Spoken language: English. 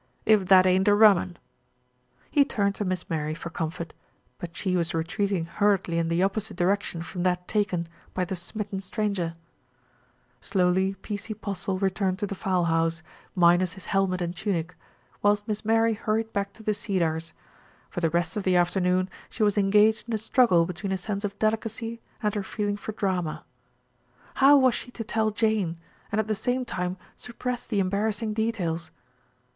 "If that ain't a rum un." He turned to Miss Mary for comfort; but she was retreating hurriedly in the opposite direction from that taken by the smitten stranger. 240 THE RETURN OF ALFRED Slowly P.C. Postle returned to the fowl house, minus his helmet and tunic, whilst Miss Mary hurried back to The Cedars. For the rest of the afternoon she was engaged in a struggle between a sense of delicacy and her feeling for drama. How was she to tell Jane, and at the same time suppress the embarrassing details?